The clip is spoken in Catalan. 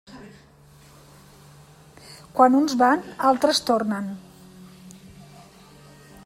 Quan uns van, altres tornen.